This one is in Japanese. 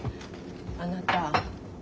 あなた。